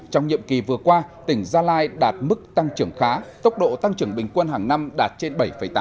trong nhiệm kỳ vừa qua tỉnh gia lai đạt mức tăng trưởng khá tốc độ tăng trưởng bình quân hàng năm đạt trên bảy tám